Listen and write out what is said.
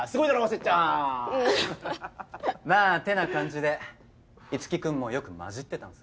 まぁてな感じで樹君もよく混じってたんすよ。